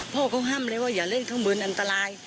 พ่อเขาห้ามเลยว่าอย่าเล่นข้างบนอันตราย